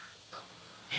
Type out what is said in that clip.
え？